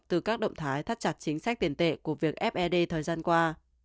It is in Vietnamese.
từ các động thái thắt chặt chính sách tiền tệ của việc fed thời gian qua